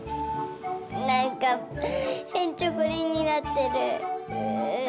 なんかへんちょこりんになってる。